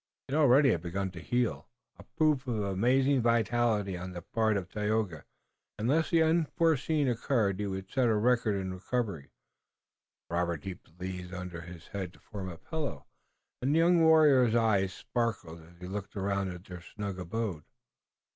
It had already begun to heal, a proof of amazing vitality on the part of Tayoga, and unless the unforeseen occurred he would set a record in recovery. Robert heaped the leaves under his head to form a pillow, and the young warrior's eyes sparkled as he looked around at their snug abode.